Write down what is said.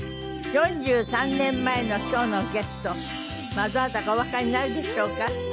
４３年前の今日のゲストどなたかおわかりになるでしょうか？